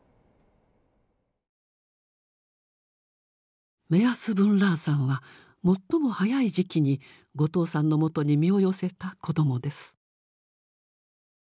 例えばメアス・ブン・ラーさんは最も早い時期に後藤さんのもとに身を寄せた子どもです。